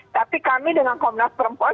tapi kami dengan komnas perempuan